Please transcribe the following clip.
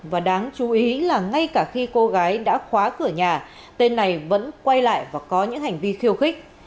và đáng chú ý là ngay cả khi cô gái đã khóa cửa nhà tên này vẫn quay lại và có những hành vi khiêu khích